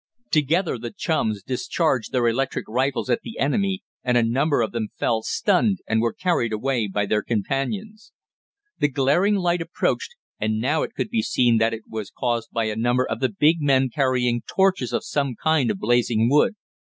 Together the chums discharged their electric rifles at the enemy and a number of them fell, stunned, and were carried away by their companions. The glaring light approached and now it could be seen that it was caused by a number of the big men carrying torches of some kind of blazing wood.